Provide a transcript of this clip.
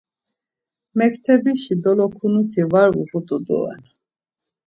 Mektebişi dolokunuti var uğut̆u doren.